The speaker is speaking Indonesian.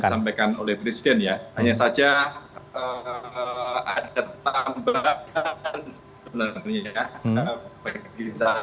yang disampaikan oleh presiden ya hanya saja ada tambahan sebenarnya ya